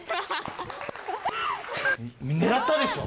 狙ったでしょ。